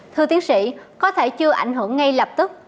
thưa tiến sĩ có thể chưa ảnh hưởng ngay lập tức